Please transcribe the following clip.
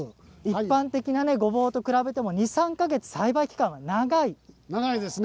一般的なごぼうと比べても２、３か月栽培期間が長いんです。